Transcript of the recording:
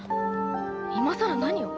今さら何を。